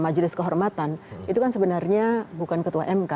majelis kehormatan itu kan sebenarnya bukan ketua mk